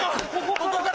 ここから？